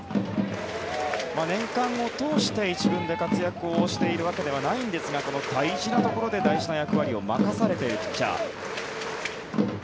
年間を通して１軍で活躍しているわけではないんですがこの大事なところで大事な役割を任されているピッチャー。